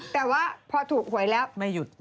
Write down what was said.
แต่ว่าพอถูกหวยแล้วไม่หยุด